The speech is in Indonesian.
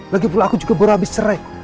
lagipula aku juga baru habis serai